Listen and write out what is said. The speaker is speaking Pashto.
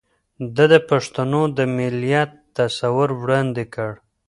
ده د پښتنو د مليت تصور وړاندې کړ